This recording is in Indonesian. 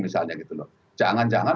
misalnya gitu loh jangan jangan